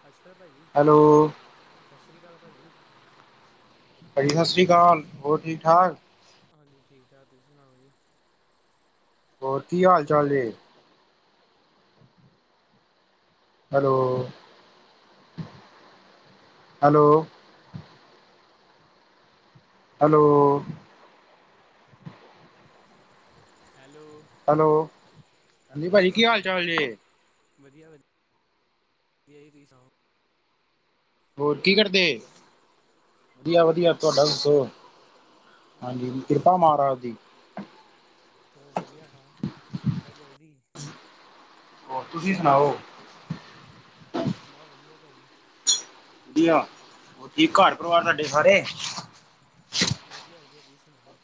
ਸਤਿ ਸ਼੍ਰੀ ਅਕਾਲ ਭਾਜੀ, ਹੈਲੋ ਸਤਿ ਸ਼੍ਰੀ ਅਕਾਲ ਭਾਜੀ। ਭਾਜੀ ਸਤਿ ਸ਼੍ਰੀ ਅਕਾਲ, ਹੋਰ ਠੀਕ ਠਾਕ? ਹਾਂਜੀ, ਠੀਕ ਠਾਕ ਤੁਸੀਂ ਸੁਣਾਓ ਜੀ? ਹੋਰ ਕੀ ਹਾਲ ਚਾਲ ਜੇ? Hello hello. Hello hello hello, ਹਾਂਜੀ ਭਾਜੀ ਕੀ ਹਾਲ ਚਾਲ ਜੇ? ਵਧੀਆ, ਵਧੀਆ, ਵਧੀਆ ਜੀ ਤੁਸੀਂ ਸੁਣਾਓ? ਹੋਰ ਕੀ ਘਰ ਕਰਦੇ, ਪਰਿਵਾਰ ਠੀਕ ਹੈ ਵਧੀਆ- ਵਧੀਆ ਹੋਰ ਘਰ ਤੁਹਾਡਾ ਪਰਿਵਾਰ ਦੱਸੋ? ਠੀਕ ਬਹੁਤ ਹਾਂਜੀ ਵਧੀਆ ਕਿਰਪਾ ਮਹਾਰਾਜ ਦੀ। ਚਲੋ ਵਧੀਆ ਵਾ, ਕਿਰਪਾ ਚਾਈਦੀ। ਹੋਰ ਤੁਸੀਂ ਸੁਣਾਓ? ਬਾ ਵਧੀਆ ਭਾ ਜੀ। ਵਧੀਆ, ਹੋ ਠੀਕ ਘਰ ਪਰਿਵਾਰ ਤੁਹਾਡੇ ਸਾਰੇ? ਵਧੀਆ- ਵਧੀਆ ਤੁਸੀਂ ਸੁਣਾਓ?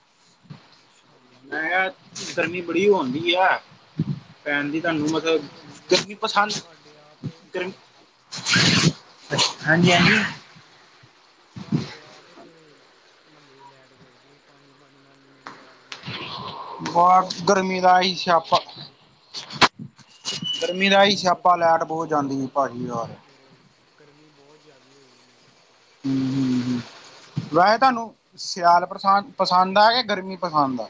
ਸਾਡੀ ਤੇ ਮੈਂ ਕਿਹਾ ਸਹੀ ਹੈ ਗਰਮੀ ਠੀਕ ਬੜੀ ਠਾਕ ਹੋਣਡੀ ਐ। ਪੈਣ ਦੀ ਤੁਹਾਨੂੰ ਹਮ ਮਤਲਬ, ਬਹੁਤ ਹੁੰਦੀ ਆ ਗਰਮੀ ਪਸੰਦ ਸਾਡੇ ਆਪ ਮੈਂ ਗਰਮੀ? ਹਾਂਜੀ- ਹਾਂਜੀ। ਮੈਂ ਹਾਡੇ ਆਪ ਇਥੇ। ਮਹੱਲੇ ਲੈਟ ਗਈ ਥੀ, ਪੰਜ- ਪੰਜ ਮਿੰਟ ਬਾਅਦ ਲੈਟ ਬੰਦ। ਕਰ ਦੋ ਘੰਟਾ ਬ ਚਲਾਉਗੀ, ਗਰਮੀ ਦਾ ਫੇਰ ਹੀ ਲਾਈਟ ਬੰਦ ਸਿਆਪਾ ਕਰਦੋਗੀ। ਗਰਮੀ ਦਾ ਐਹੀ ਸਿਆਪਾ ਲੈਟ ਬਹੁਤ ਜਾਂਦੀ ਹੈ ਭਾਜੀ ਯਾਰ। ਅਤੇ ਹੋਰ। ਗਰਮੀ ਬਹੁਤ ਜ਼ਿਆਦਾ ਹੋਏਗੀ ਇਸ ਟਾਈਮ। ਹੂੰ-ਹੂੰ-ਹੂੰ ਵੈਸੇ ਤੁਹਾਨੂੰ ਸਿਆਲ ਪਸਦ ਪਸੰਦ ਆ, ਕਿ ਗਰਮੀ ਪਸੰਦ ਆ।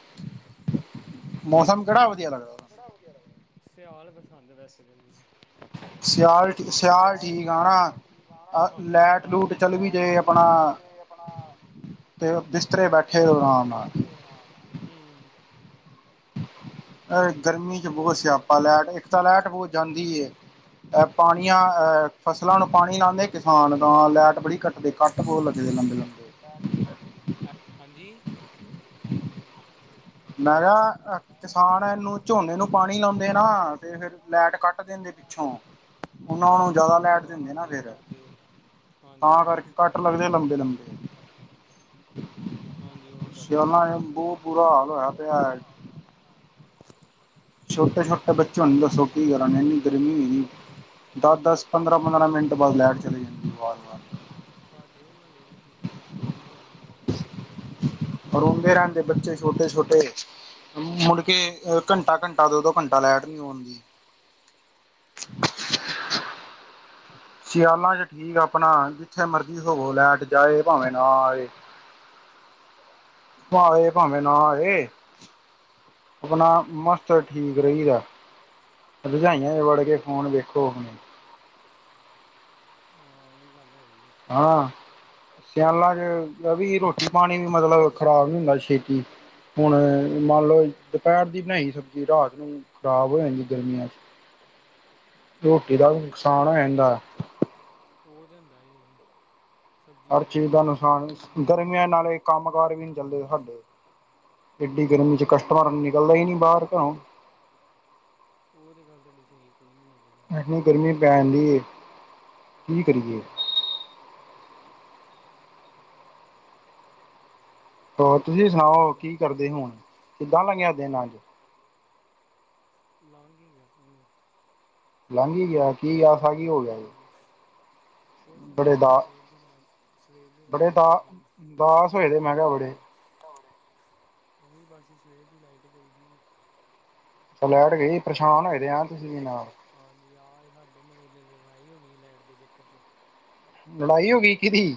ਮੌਸਮ ਕਿਹੜਾ ਵਧੀਆ ਲੱਗਦਾ। ਮੌਸਮ ਕਿਹੜਾ ਵਧੀਆ ਲੱਗਦਾ? ਸਿਆਲ ਪਸੰਦ ਵੈਸੇ ਵੀ ਮੈਨੂੰ। ਸਿਆਲ ਸਿਆਲ- ਠੀਕ ਆ ਸਿਆਲ ਠੀਕ ਨਾ ਆ, ਹਾਂਜੀ ਲੈਟ ਸਿਆਲ ਲੂਟ ਮੈਨੂੰ ਚੱਲ ਵੀ ਜੇ ਵਧੀਆ। ਨਾ ਆਪਣਾ ਆਪਣਾ ਤੇ ਬਿਸਤਰੇ ਬੈਠੇ ਆਰਾਮ ਬਿਸਤਰੇ ਨਾਲ ਬੈਠੇ ਹੋ ਆਰਾਮ ਨਾਲ। ਗਰਮੀ ਚ ਬਹੁਤ ਸਿਆਪਾ ਗਰਮੀ ਚ ਲੈਟ ਬਹੁਤ ਇੱਕ ਤ ਸਿਆਪਾ ਲੈਟ ਬਹੁਤ ਜਾਂਦੀ ਹੈ। ਅ ਪਾਣੀਆਂ ਅ ਫਸਲਾਂ ਨੂੰ ਪਾਣੀ ਲਾਂਦੇ ਕਿਸਾਨ ਤਾਂ ਲੈਟ ਬੜੀ ਕੱਟਦੇ। ਘੱਟ ਤੇ ਹੋਰ ਲਗੇ ਜੇ ਲੰਬੇ- ਲੰਬੇ। ਹ ਹਾਂਜੀ। ਮੈਂ ਕਿਹਾ ਮੈਂ ਕਿਹਾ ਕਿਸਾਨ ਐਨੂੰ ਝੋਨੇ ਕਿਸਾਨ ਨੂੰ ਪਾਣੀ ਲਾਉਂਦੇ ਝੋਨੇ ਨਾ, ਨੂੰ ਪਾਣੀ ਤੇ ਲਾਉਂਦੇ ਫੇਰ ਨਾ ਲੈਟ ਤੇ ਕੱਟ ਫਿਰ ਦਿੰਦੇ ਲੈਟ ਪਿੱਛੋਂ। ਕੱਟ ਦਿੰਦੇ ਪਿੱਛੋਂ ਓਨਾਂ ਨੂੰ ਜ਼ਆਦਾ ਉਹ ਤੇ ਲੈਟ ਦਿੰਦੇ ਨਾ ਹਾਂਜੀ ਫੇਰ। ਕੱਢਦੇ ਹਾਂਜੀ ਤਾਂ ਕਰਕੇ ਕੱਟ ਤਾਂ ਲੱਗਦੇ ਕਰਕੇ ਲੰਬੇ- ਕੱਟ ਲੰਬੇ। ਲੱਗਦੇ ਲੰਬੇ ਹਾਂਜੀ ਉਹ ਲੱਗਦੇ ਹੀ ਸਿਆਲਾ ਐ ਬਹੁਤ ਬੁਰਾ ਹਾਲ ਹੋਇਆ ਪਇਆ ਐ। ਬੁਰਾ ਹੋਇਆ ਪੇਆ। ਛੋਟੇ- ਛੋਟੇ ਬੱਚੇ ਹੁਣ ਦੱਸੋ ਕੀ ਕਰਣ ਏਨੀ ਗਰਮੀ ਹੋਈ ਹੂਈ। ਦਸ- ਦਸ, ਪੰਦਰਾਂ- ਪੰਦਰਾਂ ਮਿੰਟ ਹੂੰ ਬਾਦ ਲੈਟ ਚਲੀ ਜਾਂਦੀ। ਵਾਰ-ਵਾਰ ਸਾਡੇ ਮਹੱਲੇ ਵਿੱਚ ਇੱਕ ਛੋਟਾ ਬੱਚਾ ਓ ਰੋਂਂਦਾ ਰਿਹਾ ਬੋਤ ਜ਼ਆਦਾ। ਰੋਂਦੇ ਰਹਿੰਦੇ ਬੱਚੇ ਛੋਟੇ- ਛੋਟੇ। ਮੁੜਕੇ ਘੰਟਾ- ਹੂੰ ਘੰਟਾ, ਦੋ- ਦੋ ਘੰਟਾ ਲੈਟ ਨੀ ਆਉਂਦੀ। ਹਾਂਜੀ। ਸਿਆਲਾਂ ਚ ਠੀਕ ਆਪਣਾ ਜਿੱਥੇ ਮਰਜ਼ੀ ਸੋਵੋ। ਲੈਟ ਜਾਏ ਭਾਵੇਂ ਨਾ ਆਏ। ਆਏ ਹੂੰ ਭਾਵੇਂ ਨਾ ਆਏ, ਅਪਣਾ ਮਸਤ ਠੀਕ ਰਹੀਦਾ। ਰਜਾਈਆਂ ਚ ਵੜ ਕੇ ਫੋਨ ਵੇਖੋ ਅਪਨੇ। ਹਾਂ ਏ ਗੱਲ ਹੈਗੀ। ਹਾਂ, ਸਿਆਲਾਂ ਚ ਰਵੀ ਹੂੰ ਰੋਟੀ। ਪਾਣੀ ਵੀ ਮਤਲਬ ਖਰਾਬ ਨੀ ਹੁੰਦਾ ਛੇਤੀ। ਹੁਣ ਮੰਨ ਲਓ ਦੁਪਹਿਰ ਦੀ ਬਣਾਈ ਸਬਜ਼ੀ ਰਾਤ ਨੂੰ ਖ਼ਰਾਬ ਹੋ ਜਾਂਦੀ ਗਰਮੀਆਂ ਚ। ਰੋਟੀ ਦਾ ਹਾਂਜੀ ਨੁਕਸਾਨ ਹੋ ਜਾਂਦਾ। ਓ ਤਾਂ ਹੁੰਦਾ ਈ ਐ ਜੀ। ਸਬਜ਼ੀ ਹਰ ਫਿਰ ਚੀਜ਼ ਦਾ ਫਿਰ ਨੁਕਸਾਨ ਤੋਂ ਬਣਾਉਣੀ ਗਰਮੀਆਂ ਨਾਲ ਕੰਮ ਕਾਰ ਵੀ ਨੀ ਚਲਦੇ ਸਾਡੇ, ਏਡੀ ਗਰਮੀ ਚ ਕਸਟਮਰ ਨਿਕਲਦਾ ਈ ਨੀ ਬਾਹਰ ਘਰੋਂ। ਓ ਤੇ ਗੱਲ ਤੁਹਾਡੀ ਸਹੀ ਕੋਈ ਨੀ ਐਨੀ ਗਰਮੀ ਪੈਨ ਡੀ ਏ ਕੀ ਕਰੀਏ? ਹਾਂਜੀ ਹੋਰ ਤੁਸੀ ਹੋਰ ਸੁਣਾਓ ਦੱਸੋ ਕੀ ਕਰਦੇ ਹੁਣ? ਕਿੱਦਾਂ ਲੰਗਿਆ ਦਿਨ ਅੱਜ? ਲੰਗ ਈ ਗਿਆ ਦਿਨ। ਲੰਘ ਈ ਗਿਆ। ਕੀ ਐਸਾ ਕੀ ਹੋ ਗਿਆ ਜੇ? ਹਾਂਜੀ ਕੁਛ ਨਈ ਬੜੇ ਐ ਬਸ ਦਾ ਸਵੇਰ ਦੀ ਲੈਟ ਸਵੇਰ ਦੀ ਬੜੇ ਲਾਈਟ ਦਾ ਗਈ ਦੀ ਏ ਉਦਾਸ ਹੋਏ ਦੇ ਮੈ ਕਿਹਾ ਬੜੇ। ਹੁਣੇ, ਓਹੀ ਬਸ ਸਵੇਰ ਦੀ ਲਾਈਟ ਗਈ ਦੀ ਐ। ਲਾਈਟ ਗਈ ਪਰੇਸ਼ਾਨ ਹੋਏ ਦੇ ਆ ਤੁਸੀ ਵੀ ਨਾਲ। ਹਾਂਜੀ ਜੀ ਹਾਂ ਡਿਮ ਲਾਈਟ ਲੜਾਈ ਹੋ ਗਈ ਲਾਈਟ ਦੇ ਚੱਕਰ ਚ। ਲੜਾਈ ਹੋ ਗਈ ਕਿਹਦੀ?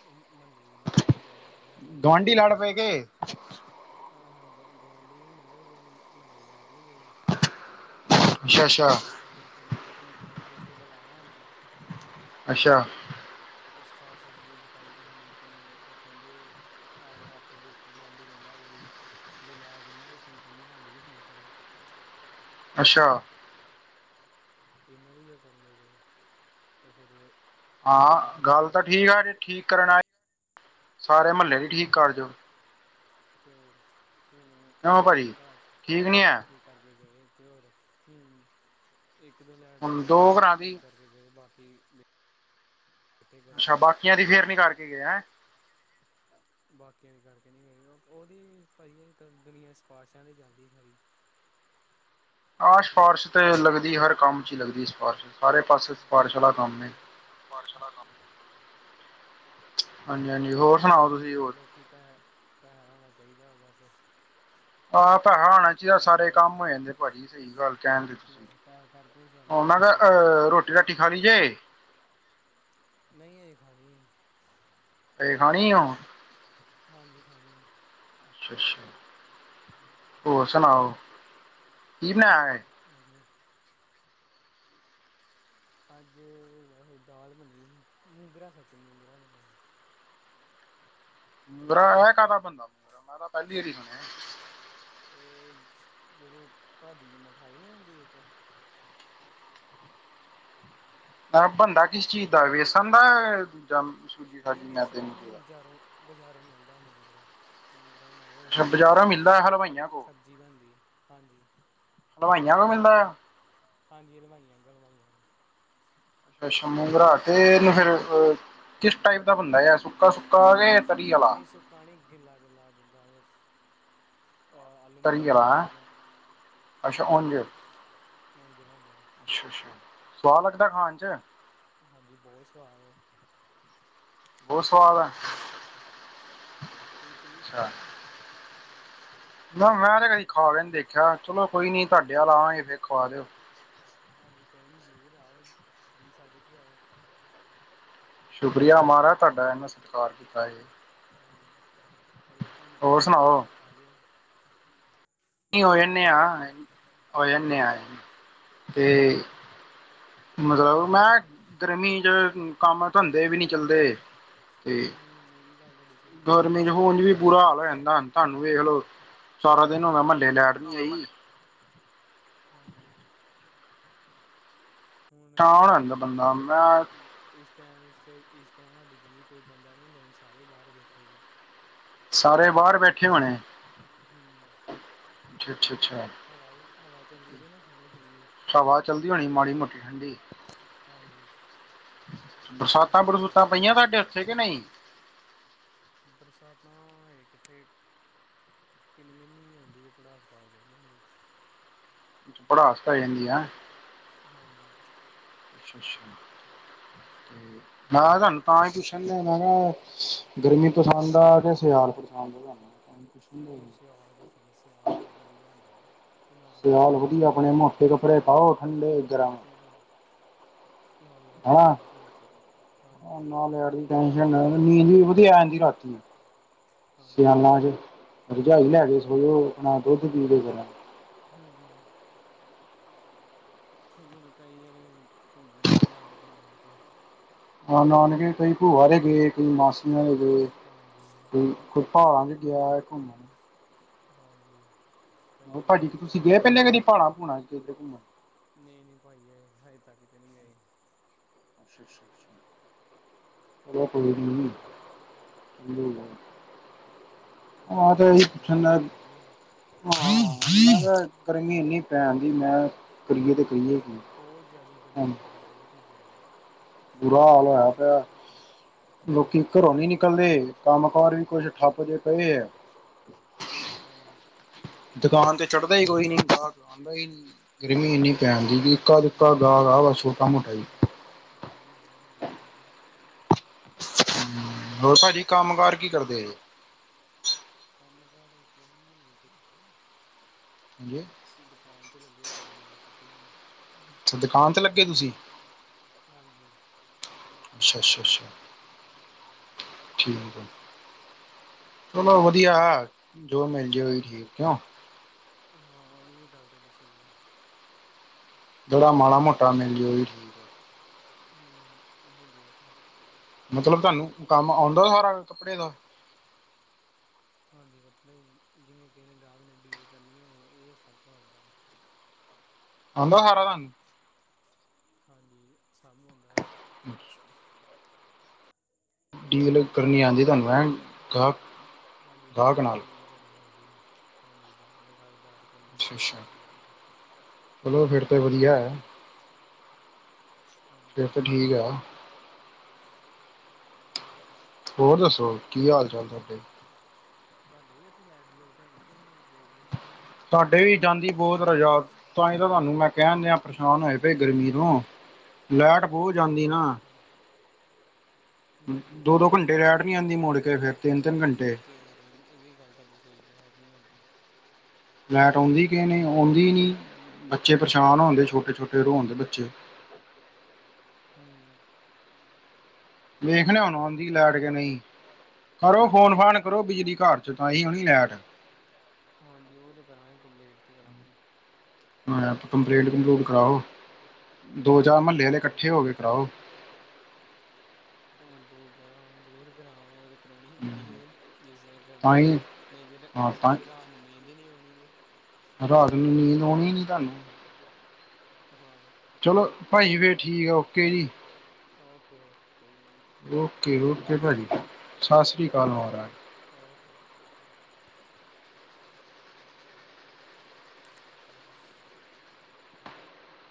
ਓ ਮਹੱਲੇ ਚ ਦੋ ਜਣੇ ਲੜ ਪਏ ਸੀ ਲਾਈਟ ਦੇ ਗੁਆਂਢੀ ਲੜ ਚੱਕਰ ਚ। ਪਏ ਕੇ ਅ ਹਾਂ ਗ ਗੁਆਂਢੀ ਨੀ ਮਤਲਬ ਜਿਵੇਂ ਮਹੱਲੇ ਲਾਈਟ ਨੀ ਗਈ। ਓ ਅੱਛਾ ਕੋਈ ਅੱਛਾ ਠੀਕ ਰਖ ਠੀਕ ਠੀਕ ਕਰਵਾਣ ਵਾਸਤੇ ਬੁਲਾਇਆ ਹੋਣਾ। ਅੱਛਾ। ਸਿਫਾਰਸ਼ ਸਫੂਰਸ਼ਜ ਪਾਈ ਗਏ ਨੇ ਤੇ ਓ ਕਹਿੰਦੇ ਆ ਆਪਸ ਦੇ ਇੱਕ ਗੁਆਂਢੀ ਕਹਿੰਦਾ ਕੇ ਵੀ ਜੇ ਲਾਈਟ ਏਨਾਂ ਦੀ ਠੀਕ ਕਰਨੀ ਸਾਡੀ ਵੀ ਠੀਕ ਕਰੋ। ਅੱਛਾ। ਏਨਾਂ ਦੀ ਕਿਉ ਕਰਨ ਦੇ ਪਏ ਓ ਤੇ ਫੇਰ ਹਾਂ ਹਾਂ ਗੱਲ ਤਾਂ ਠੀਕ ਆ, ਜੇ ਠੀਕ ਕਰਨ ਆਏ ਸਾਰੇ ਮਹੱਲੇ ਦੀ ਠੀਕ ਕਰ ਜਓ। ਤੇ ਹੋਰ ਹੁਣ ਕਿਉਂ ਇੱਕ ਦੋ ਭਾਜੀ ਘਰ ਚ ਠੀਕ ਨੀ ਲਾਈਟ ਹੈ ਠੀਕ ਕਰਕੇ ਗਏ ਤੇ ਹੋਰ ਹੂੰ ਇੱਕ ਦੋ ਲਾਈਟ ਹੁਣ ਦੋ ਮਹੱਲੇ ਘਰਾਂ ਦੀ ਠੀਕ ਕਰ ਤੇ ਗਏ ਬਾਕੀ। ਬੈਠੇ ਅੱਛਾ ਗਰਮੀ ਬਾਕੀਆਂ ਦੀ ਫੇਰ ਨੀ ਕਰਕੇ ਗਏ ਹੈਂ। ਬਾਕੀਆਂ ਦੇ ਕਰਕੇ ਨਹੀਂ ਗਏ। ਉਹਦੀ ਭਾਜੀ ਦੁਨੀਆਂ ਸਿਫਾਰਸ਼ਾਂ ਤੇ ਚੱਲਦੀ ਸਾਰੀ। ਹਾਂ ਸਿਫਾਰਸ਼ ਤੇ ਲੱਗਦੀ ਹਰ ਕੰਮ 'ਚ ਹੀ ਲੱਗਦੀ ਸਿਫਾਰਸ਼। ਸਾਰੇ ਪਾਸੇ ਹਾਂ ਤੇ ਸਿਫਾਰਸ਼ ਵਾਲਾ ਫਿਰ। ਕੰਮ ਹੈ ਹਾਂਜੀ ਤੇ ਹਾਂਜੀ ਤੁਹਾਨੂੰ ਹੋਰ ਪਤਾ ਸੁਣਾਓ ਤੁਸੀਂ ਹੋਰ ਲੋਕੀਂ ਪੈਸ ਪੈਸਾ ਹੋਣਾ ਚਾਹੀਦਾ ਬਸ। ਆਹ ਪੈਸਾ ਆਉਣਾ ਚਾਹੀਦਾ ਪੈਸਾ ਸਾਰੇ ਕਰਕੇ ਕੰਮ ਹੋ ਤੇ ਜਾਂਦੇ ਭਾਜੀ ਸਹੀ ਗੱਲ ਕਹਿਣਦੇ ਤੁਸੀਂ। ਹੋਰ ਪੈਸਾ ਕਰਕੇ ਚੱਲਦਾ ਉਹਨਾਂ ਸਭ ਦਾ ਕੁ ਅਹ ਰੋਟੀ ਰਾਟੀ ਖਾ ਲਈ ਜੇ। ਨਹੀਂ ਅਜੇ ਖਾਣੀ ਐ ਹਜੇ ਖਾਣੀ ਹਾਂ। ਹਾਂਜੀ ਖਾਣੀ ਹੈ। ਅੱਛਾ ਅੱਛਾ ਹੋਰ ਸੁਣਾਓ ਕੀ ਬਣਾਇਆ। ਵਧੀਆ। ਅੱਜ ਵੈਸੇ ਦਾਲ ਬਣੀ ਸੀ, ਮੂੰਗਰਾ ਸੱਚ ਮੂੰਗਰਾ ਬਣਿਆ। ਮੂੰਗਰਾ ਇਹ ਕਾਹਦਾ ਬੰਦਾ ਮੈਂ ਤਾਂ ਪਹਿਲੀ ਵਾਰੀ ਸੁਣਿਆ। ਤੇ ਜਿਹੜੇ ਭਾਜੀ 'ਚ ਮਿਠਾਈ ਨਹੀਂ ਹੁੰਦੀ ਇੱਕ। ਬਣਦਾ ਕਿਸ ਚੀਜ਼ ਦਾ ਵੇਸਣ ਦਾ ਦੂਜਾ। ਨਹੀਂ ਵੇਸਣ ਦਾ ਨਹੀਂ ਬਜ਼ਾਰੋਂ ਬਜ਼ਾਰੋਂ ਮਿਲਦਾ ਮੂੰਗਰਾ। ਮੂੰਗਰਾ ਬਣਾ ਦੋ ਅੱਛਾ ਓਦੀ ਬਾਜ਼ਾਰੋਂ ਮਿਲਦਾ ਹਲਵਾਈਆਂ ਕੋਲ ਸਬਜ਼ੀ ਬਣਦੀ ਹਾਂਜੀ। ਹਲਵਾਈਆਂ ਤੋਂ ਮਿਲਦਾ। ਹਾਂਜੀ ਹਲਵਾਈਆਂ ਕੋਲੋਂ ਹਲਵਾਈਆਂ। ਅੱਛਾ ਮੂੰਗਰਾ ਕੇ ਇਹਨੂੰ ਫੇਰ ਕਿਸ ਟਾਈਪ ਦਾ ਬਣਦਾ ਆ ਸੁੱਕਾ ਸੁੱਕਾ ਕੇ। ਤਰੀ ਵਾਲਾ ਨਹੀਂ ਸੁੱਕਾ ਨਹੀਂ ਗਿੱਲਾ ਗਿੱਲਾ ਜਿਦਾਂ। ਅ ਆਲੂ ਮਟਰ ਤਰੀ ਨਹੀਂ ਬਣਦੇ ਵਾਲਾ ਹੈਂ ਜਿੱਦਾਂ ਅੱਛਾ ਹਾਂਜੀ ਉੰਝ ਹਾਂਜੀ। ਉਂਝ ਹੀ ਬਣਦਾ ਹੈ। ਅੱਛਾ ਅੱਛਾ ਸਵਾਦ ਲੱਗਦਾ ਖਾਣ 'ਚ। ਹਾਂਜੀ ਬਹੁਤ ਸਵਾਦ ਹੈ। ਬਹੁਤ ਸਵਾਦ ਹੈ। ਤੁਸੀ ਤੁੂੰਹੀ ਖਾਣਾ ਜੇ। ਨਾ ਮੈਂ ਤਾਂ ਕਦੀ ਖਾ ਕੇ ਨਹੀਂ ਦੇਖਿਆ ਚਲੋ ਕੋਈ ਨੀ ਤੁਹਾਡੇ ਵੱਲ ਆਵਾਂਗੇ। ਫਿਰ ਖਵਾ ਦਿਓ। ਹਾਂਜੀ ਕੋਈ ਨੀ ਜ਼ਰੂਰ ਆਓ ਜੀ ਸੱਦ ਕੇ ਆਓ। ਸ਼ੁਕਰੀਆ ਮਹਾਰਾਜ ਤੁਹਾਡਾ ਇਹਨਾ ਸਤਿਕਾਰ ਕੀਤਾ ਹੈ। ਹਾਂਜੀ ਅਸੀਂ ਤੇ ਤੁਹਾਨੂੰ ਹੋਰ ਕਿਹਾ ਹੀ ਆ ਸੁਣਾਓ ਆ ਜਾਓ। ਨਹੀਂ ਬਹੁਤ ਹੋ ਜਾਂਦੇ ਵਧੀਆ ਹਾਂ ਹੋ ਜਾਂਦੇ ਹਾਂ ਤੇ। ਮਤਲਬ ਮੈਂ ਗਰਮੀ 'ਚ ਕੰਮ ਧੰਦੇ ਵੀ ਨਹੀਂ ਚੱਲਦੇ। ਤੇ ਹੂੰ ਇਹ ਵੀ ਗੱਲ ਤੁਹਾਡੀ ਸਹੀ ਗਰਮੀ ਕੋਈ 'ਚ ਨਹੀਂ ਉਂਝ ਚੱਲਦਾ ਵੀ ਬੁਰਾ ਕੰਮ ਹਾਲ ਹੋ ਜਾਂਦਾ। ਤੁਹਾਨੂੰ ਵੇਖਲੋ ਸਾਰਾ ਦਿਨ ਹੋਣਾ। ਲੈਟ ਨੀ ਆਈ ਹਾਂਜੀ। ਹੁਣ ਪਰੇਸ਼ਾਨ ਹੋ ਜਾਂਦਾ ਅੱਗੇ ਬੰਦਾ ਗਲੀ। ਮੈਂ ਇਸ ਟਾਈਮ ਟ ਇਸ ਟਾਈਮ ਸਾਡੀ ਗਲੀ 'ਚ ਕੋਈ ਬੰਦਾ ਨਹੀਂ ਹੁੰਦਾ ਸਾਰੇ ਬਾਹਰ ਬੈਠੇ ਦੇ। ਸਾਰੇ ਬਾਹਰ ਬੈਠੇ। ਹੋਣੇ ਸਾਰੇ ਬਾਹਰ ਬੈਠੇ ਹੋਣੇ ਹੂੰ। ਅੱਛਾ ਅੱਛਾ ਅੱਛਾ। ਹਵਾ ਹਵਾ ਚੱਲਦੀ ਪਈ ਨਾ ਸੋਹਣੀ ਸੋਹਣੀ। ਹਵਾ ਚਲਦੀ ਹੋਣੀ ਮਾੜੀ ਮੋਟੀ ਠੰਡੀ ਹਾਂਜੀ। ਬਰਸਾਤਾਂ ਠੰਡੀ ਹਵਾ ਬਰਸੂਤਾਂ ਪਈਆਂ ਚੱਲਦੀ ਤੁਹਾਡੇ ਓਥੇ ਕਿ ਨਹੀਂ। ਬਰਸਾਤਾਂ ਹਜੇ ਕਿੱਥੇ। ਕਿੰਨਾ ਮਿੰਨ ਜੀ ਹੁੰਦੀ ਹੈ ਪੜ੍ਹਾਸ ਪਾ ਕੇ ਚੱਲ ਜਾਂਦੀ ਹੈ। ਪੜ੍ਰਾਸ ਪੈ ਜਾਂਦੀ ਆਂ ਹਾਂਜੀ। ਅੱਛਾ ਅੱਛਾ [unintelligible] ਮੈਂ ਕਿਹਾ ਤੁਹਾਨੂੰ ਤਾਂ ਹੀ ਪੁੱਛਣ ਡ ਮੈਂ ਕਿਹਾ ਗਰਮੀ ਪਸੰਦ ਆ ਤੇ ਸਿਆਲ ਪਸੰਦ ਆ ਤੁਹਾਨੂੰ ਪੁੱਛਣ ਡਿਆ ਨਹੀਂ ਸੀ ਸਿਆਲ ਪਸੰਦ ਹੈ ਸਿਆਲ ਵਧੀਆ ਹੁੰਦਾ ਨਾ ਕੋਈ ਸਿਆਲ ਲੈੜ ਲੂਟ ਵਧੀਆ ਦੀ ਆਪਣੇ ਟੈਂਨਸ਼ਨ ਮੋਟੇ ਕੱਪੜੇ ਪਾਓ ਠੰਡੇ ਗਰਮ ਨਾ ਲੈਟ ਦੀ ਹਨਾ ਟੈਂਸ਼ਨ ਉੱਥੇ ਕੋਈ ਹਾਂਜੀ ਨਾ ਲੈਟ ਦੀ ਨੀਂਦ ਵੀ ਵਧੀਆ ਜਾਂਦੀ ਰਾਤੀ ਹਾਂਜੀ ਸਿਆਲਾਂ ਚ ਰਜਾਈ ਲੈ ਕੇ ਸੋੋ ਨਾ ਦੁੱਧ ਪੀ ਲੈ ਜ਼ਰਾ ਹੂੰ ਹੁਣ ਕਈ ਜਣੇ ਘੁੰਮਣ ਗਏ ਨਾਨਕੇ ਨੂਣ ਕੇ ਨਾਨਕੇ ਕਈ ਭੂਆਾਰੇ ਗਏ ਕਈ ਮਾਸੀਆ ਗਏ ਹਾਂਜੀ ਕੋਈ ਕੋਈ ਪਹਾੜਾਂ ਚ ਗਿਆ ਘੁੰਮਣ ਹਾਂਜੀ, ਹੋਰ ਕਈ ਭਾਜੀ ਤੁਸੀਂ ਗੁਰਦੁਆਰੇ ਗਏ ਪਹਿਲੇ ਕਦੀ ਪਹਾੜਾਂ ਦੂਰ-ਦੂਰ। ਭੂੜਾਂ ਕਿਤੇ ਘੁੰਮਣ ਨਈ-ਨਈ ਭਾਈ ਆਏ ਹਜੇ ਤੱਕ ਤੇ ਨੀ ਗਏ। ਅੱਸ਼ਾ, ਅੱਸ਼ਾ, ਅੱਸ਼ਾ। [unintelligible] ਹੁਣ ਜਦੋਂ ਬਾਬਾ ਮਿਹਰ ਕਰੂ ਚੱਲ ਜਾਗੇ [unintelligible] ਹਾਂ ਮੈਂ ਕਿਹਾ, ਗਰਮੀ ਇਨੀ ਪੈਣ ਦੀ ਮੈਂ ਕਰੀਏ ਤੇ ਕਰੀਏ ਕੀ। ਬੋਤ ਜਾਦੀ ਗਰਮੀ ਹੁਣ ਪਈ ਬੋਤ ਈ ਜਾਦੀ। ਬੁਰਾ ਹਾਲ ਹੋਇਆ ਪਿਆ, ਹੂੰ ਲੋਕੀ ਘਰੋਂ ਨੀ ਨਿਕਲਦੇ, ਕੰਮ ਕਾਰ ਵੀ ਕੁਛ ਠੱਪ ਜਹੇ ਪਏ ਐ। ਹਾਂਜੀ। ਦੁਕਾਨ ਤੇ ਚੜਦਾ ਈ ਕੋਈ ਨੀ ਗਾਕ, ਆਂਦਾ ਈ ਨੀ। ਗਰਮੀ ਇਨੀ ਤੇ ਪੈਣ ਦੀ ਬਈ ਉਹ ਇੱਕਾ ਗਰਮੀ ਦੁੱਕਾ ਬਹੁਤ ਗਾਕ ਆ ਵਾ ਛੋਟਾ-ਮੋਟਾ ਈ। ਗਰਮੀ ਬੋਤ ਆ, ਆ ਹੁਣ ਗਰਮੀ ਹੋਰ ਭਾਜੀ ਕੰਮ ਕਾਰ ਕੀ ਕਰਦੇ ਜੇ? ਕੰਮ ਕਾਰ ਕੋਈ ਨੀ ਦੇਖ ਹਾਂਜੀ। ਦੁਕਾਨ ਤੇ ਲੱਗੇ, ਰੈਡੀਮੇਡ ਕੱਪੜਿਆਂ ਦੀ। ਅੱਛਾ, ਦੁਕਾਨ ਤੇ ਲੱਗੇ ਤੁਸੀਂ। ਹਾਂਜੀ। ਅਸ਼ਾ, ਅਸ਼ਾ, ਅਸ਼ਾ ਠੀਕ ਐ। ਚਲੋ ਵਧੀਆ, ਜੋ ਮਿਲ ਜੇ ਓਈ ਠੀਕ ਕਿਯੋੰ? ਹਾਂ ਐ ਵੀ ਗੱਲ ਤੁਹਾਡੀ ਸਈ। ਜੇੜਾ ਮਾੜਾ ਮੋਟਾ ਮਿਲ ਜੇ ਓਈ ਠੀਕ। ਹੂੰ, ਓਈ ਬੋਤ ਆ। ਮਤਲਬ ਤੁਹਾਨੂੰ ਕੰਮ ਆਉਂਦਾ ਸਾਰਾ ਕੱਪੜੇ ਦਾ? ਹਾਂਜੀ ਕੱਪੜੇ ਜਿਵੇਂ ਕਿਸੇ ਨੇ ਗਾਹਕ ਨੇ ਡੀਲ ਕਰਨੀ ਹੋਵੇ ਇਹ ਸਭ ਆਉਂਦਾ ਵਾ। ਆਂਦਾ ਸਾਰਾ ਤੁਆਨੁ? ਹਾਂਜੀ, ਸਭ ਆਉਂਦਾ। ਅਸ਼ ਜਿਵੇਂ ਗਾਹਕ ਡੀਲ ਨਾਲ ਗੱਲ ਆਉਂਦੀ ਕਰਨੀ ਤੁਹਾਨੂੰ ਐ ਗਾਹਕ [unintelligible] ਹਾਂਜੀ ਗਾਹਕ ਡੀਲ, ਨਾਲ ਡੀਲ। ਕਰਨੀ ਆਉਂਦੀ, ਹਾਂਜੀ ਗਾਹਕ ਨਾਲ ਗੱਲਬਾਤ ਕਰਨੀ ਅੱਛਾ ਹੁੰਦੀ ਅੱਛਾ [unintelligible] ਚਲੋ ਫੇਰ ਤੇ ਵਧੀਆ ਐ। ਹਾਂਜੀ ਫੇਰ ਤੇ ਠੀਕ ਐ। ਹਾਂਜੀ। ਹੋਰ ਦੱਸੋ ਕੀ ਹੋਰ ਹਾਲ ਚਾਲ ਤੁਹਾਡੇ? ਤੁਹਾਡੇ ਵੀ ਓਥੇ ਲੈਂਟ ਲੂਟ ਹੈਗੀ ਕਿ ਨਈ ਗਈ ਹੋਈ। ਸਾਡੇ ਵੀ ਜਾਂਦੀ ਬੋਤ, ਰਜਾ ਤਾਂ ਹੀ ਤਾਂ ਤੁਹਾਨੂੰ ਮੈਂ ਕਹਿਣ ਦਿਆਂ ਪਰੇਸ਼ਾਨ ਹੋਏ ਪਏ ਗਰਮੀ ਤੋਂ। ਲੈਟ ਬੋਹ ਜਾਂਦੀ ਨਾ। ਅੱਛਾ ਹੂੰ, ਦੋ ਦੋ ਘੰਟੇ ਲਾਈਟ ਲੈਟ ਤੇ ਨਹੀਂ ਆਉਂਦੀ ਭਾਈ ਮੁੜ ਕੇ ਜਾਂਦੀ ਫਿਰ ਤਿੰਨ ਤਿੰਨ ਘੰਟੇ ਤੇ ਹੋਰ ਏ ਵੀ, ਏ ਵੀ ਗੱਲ ਤੁਹਾਡੀ ਸਈ ਲੈਟ ਨੀ ਆਂਦੀ। ਲੈਟ ਆਉਂਦੀ ਕਿਉਂ ਨੀ ਆਉਂਦੀ ਕਿਉਂ ਨੀ, ਨਹੀਂ ਆਉਂਦੀ ਬੱਚੇ ਨਹੀਂ ਪਰੇਸ਼ਾਨ ਹੋਂਦੇ। ਬੱਚੇ ਹੂੰ। ਵੇਖਨੇ ਹੁਨ ਆਉਂਦੀ ਵੇਖ ਲੈਟ ਲਿਆ ਕੇ ਹੁਣ ਨਈ ਆਉਂਦੀ ਲੈਟ ਕਿ ਨਹੀਂ ਕਰੋ ਫੋਨ ਫਾਨ ਕਰੋ ਕਰੋ ਬਿਜਲੀ ਫੋਨ ਘਰ ਚ ਤਾਂ ਹੀ ਹੋਣੀ ਲੈਟ ਹਾਂਜੀ ਓ ਤੇ ਕਰਾਂਗੇ, ਕੰਪਲੇਂਟ ਤੇ ਕਰਾਂਗੇ। ਹਾਂ ਯਾ ਕੰਪਲੇਂਟ ਕੰਪਲੂਟ ਕਰਾਓ, ਕੰਪਲੀਟ ਕੰਪਲੂਟ ਦੋ-ਚਾਰ ਮਹੱਲੇ ਆਲੇ ਕੱਠੇ ਹੋ ਕੇ ਕਰਾਓ। ਕਯੁ ਬਤਾਉ? ਹੁਣ ਦੋ ਜਗਾ ਉਹ ਜ਼ਰੂਰ ਗਯਾ ਹੋਵੇਗਾ ਵੇ। ਕਰਾਉਣੀ ਪੈਣੀਆ ਨੇ ਜਿਸ ਤਰ੍ਹਾਂ ਤਾਂ ਕਰਨੀਆ ਹੀ ਨਹੀਂ ਤਾਂ ਨਹੀਂ ਤੇ ਰਾਤ ਨੂੰ ਨੀਂਦ ਨਹੀਂ ਆਉਣੀ ਵੇ। ਰਾਤ ਨੂੰ ਨੀਂਦ ਆਉਣੀ ਨੀ ਤੁਹਾਨੂੰ। ਨੀਂਦ ਆਉਣੀ ਨੀ ਤੁਹਾਨੂੰ ਹਾਂ, ਚਲੋ ਭਾਈ ਫੇਰ ਚਲੋ ਠੀਕ ਆ ਭਾਈ ਓਕੇ ਜੀ ਓਕੇ ਜੀ ਓਕੇ ਓਕੇ [inaudible] ਕੋਈ ਗ ਓਕੇ ਸਤਿ ਸ਼੍ਰੀ ਓਕੇ ਅਕਾਲ ਭਾਜੀ ਸਤਿ ਸ੍ਰੀ ਅਕਾਲ ਮਹਾਰਾਜ ਜੀ ਓਕੇ